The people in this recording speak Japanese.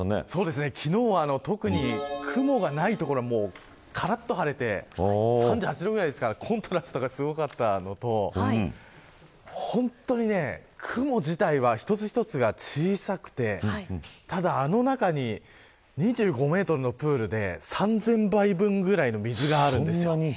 昨日は特に雲がない所でもからっと晴れて３８度ぐらいですからコントラストがすごかったのと雲自体は一つ一つが小さくてただ、あの中に２５メートルのプールで３０００杯分ぐらいの水があるんです。